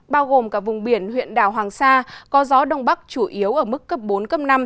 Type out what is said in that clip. bao gồm cả vùng biển huyện đảo hoàng sa có gió đông bắc chủ yếu ở mức cấp bốn cấp năm